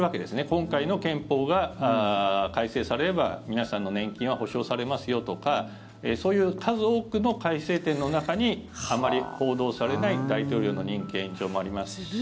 今回の憲法が改正されれば皆さんの年金は保証されますよとかそういう数多くの改正点の中にあまり報道されない大統領の任期延長もありますし。